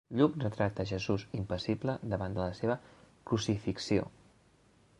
Lluc retrata Jesús com impassible davant de la seva crucifixió.